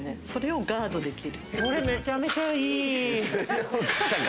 それをガードできる。